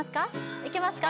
いけますか？